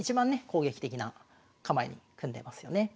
攻撃的な構えに組んでますよね。